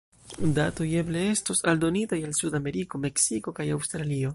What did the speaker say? Datoj eble estos aldonitaj al Sudameriko, Meksiko kaj Aŭstralio.